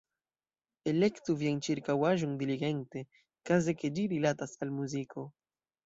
Elektu vian ĉirkaŭaĵon diligente, kaze ke ĝi rilatas al muziko.